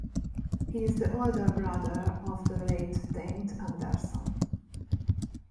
He is the older brother of the late Dante Anderson.